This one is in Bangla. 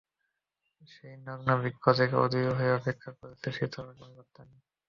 সেই নগ্ন বৃক্ষগুলো যেন অধীর হয়ে অপেক্ষা করছে শীতের আগমনী বার্তা নিয়ে।